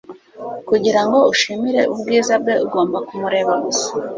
Kugira ngo ushimire ubwiza bwe, ugomba kumureba gusa.